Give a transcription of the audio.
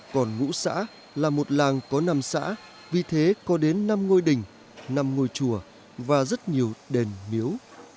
còn ngũ xã là một làng có năm xã vì thế có đến năm ngôi đình năm ngôi chùa và rất nhiều đền miếu